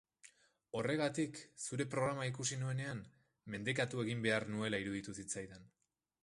Horregatik, zure programa ikusi nuenean, mendekatu egin behar nuela iruditu zitzaidan.